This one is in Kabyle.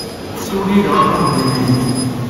Ssiwel-iyi-d ɣef uxeddim-nnek.